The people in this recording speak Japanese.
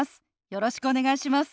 よろしくお願いします。